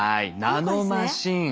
ナノマシン。